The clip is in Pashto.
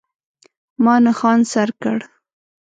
ما نښان سر کړ.